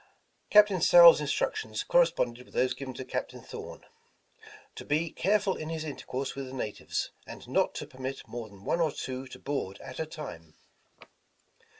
Captain Sowle's instructions corresponded with those given to Captain Thorn — to be careful in his intercourse with the natives, and not to permit more than one or two to board at a time."